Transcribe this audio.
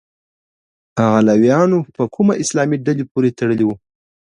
علویانو په کومه اسلامي ډلې پورې تړلي وو؟